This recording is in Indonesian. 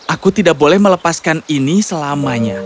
aku tidak boleh melepaskan ini selamanya